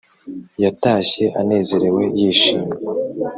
yatashye anezerewe, yishimye .